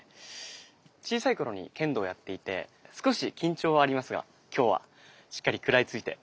小さい頃に剣道をやっていて少し緊張はありますが今日はしっかり食らいついて頑張りたいと思います。